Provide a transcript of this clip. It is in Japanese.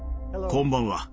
こんばんは。